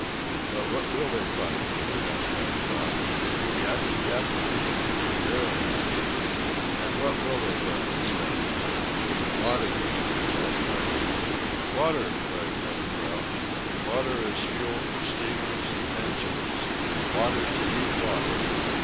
"But what will they find?" asked Pencroft. "Can you guess, captain?" "Nearly, my friend." "And what will they burn instead of coal?" "Water," replied Harding. "Water!" cried Pencroft, "water as fuel for steamers and engines! water to heat water!"